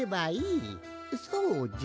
そうじゃ！